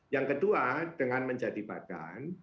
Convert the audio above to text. yang kedua dengan menjadi badan